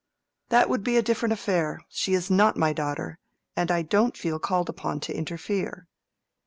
"That would be a different affair. She is not my daughter, and I don't feel called upon to interfere.